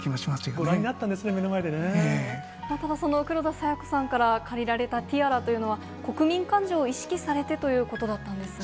ご覧になったんですね、その黒田清子さんから借りられたティアラというのは、国民感情を意識されてということだったんですね。